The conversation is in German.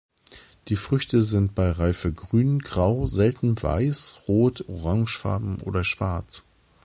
Die Früchte sind bei Reife grün, grau, selten weiß, rot, orangefarben oder schwarz.